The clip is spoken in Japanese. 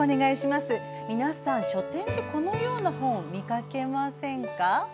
皆さん、書店などでこのような本を見かけませんか？